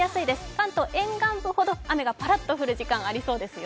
関東沿岸部ほど雨がぱらっと降る時間帯がありそうですよ。